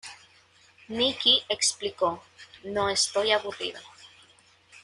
Nicky explicó, “No estoy aburrido.